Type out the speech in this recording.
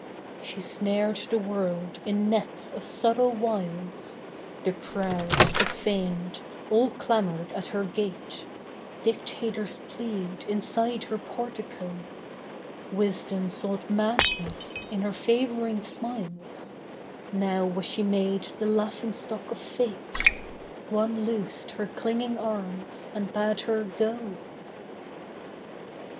She snared the world in nets of subtle wiles: The proud, the famed, all clamoured at her gate; Dictators plead, inside her portico; Wisdom sought madness, in her favouring smiles; Now was she made the laughing stock of fate: One loosed her clinging arms, and bade her go.